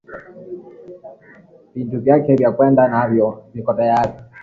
Bintu byake bya kwenda nabyo biko tayari